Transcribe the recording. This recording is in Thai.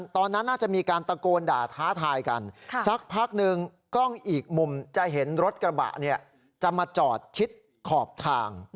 ตอนนั้นน่าจะมีการตะโกนด่าท้าทายกันสักพักหนึ่งกล้องอีกมุมจะเห็นรถกระบะจะมาจอดชิดขอบทาง